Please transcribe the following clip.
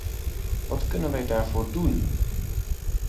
Wat kunnen wij daarvoor doen?